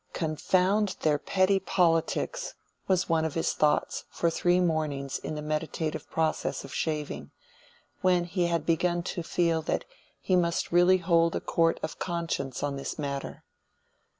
"Confound their petty politics!" was one of his thoughts for three mornings in the meditative process of shaving, when he had begun to feel that he must really hold a court of conscience on this matter.